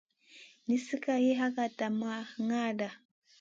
Nizi ka liw hakada ma ŋada.